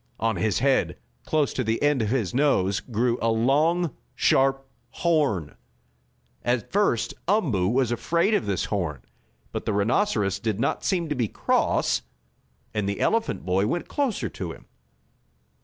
On his head, close to the end of his nose, grew a long, sharp horn. At first Umboo was afraid of this horn, but the rhinoceros did not seem to be cross, and the elephant boy went closer to him.